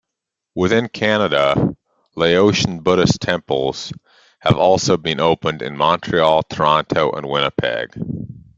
Within Canada, Laotian Buddhist temples have also been opened in Montreal, Toronto, and Winnipeg.